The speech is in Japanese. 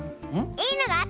いいのがあった！